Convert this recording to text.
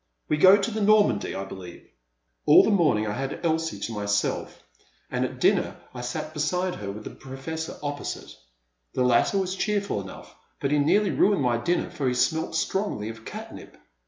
We go to the * Normandie * I believe ?'' All the morning I had Elsie to myself, and at dinner I sat beside her with the Professor opposite. The latter was cheerful enough, but he nearly ruined my dinner for he smelled strongly of catnip.